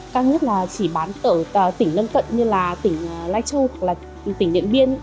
càng nhất là chỉ bán ở tỉnh nâng cận như là tỉnh lai châu hoặc là tỉnh điện biên